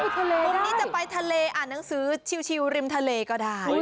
ตรงนี้จะไปทะเลอ่านหนังสือชิลริมทะเลก็ได้